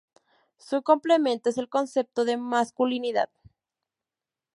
Su complemento es el concepto de masculinidad.